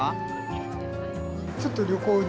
ちょっと旅行に。